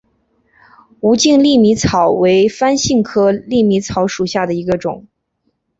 无茎粟米草为番杏科粟米草属下的一个种。